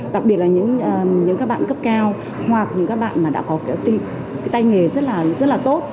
đặc biệt là những các bạn cấp cao hoặc những các bạn mà đã có cái tay nghề rất là tốt